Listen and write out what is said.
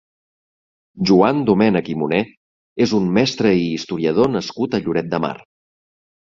Joan Domènech i Moner és un mestre i historiador nascut a Lloret de Mar.